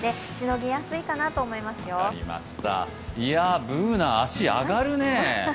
Ｂｏｏｎａ、足上がるね。